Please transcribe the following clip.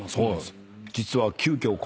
実は。